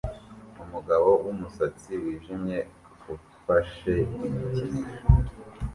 Umugabo wumusatsi wijimye ufashe igikinisho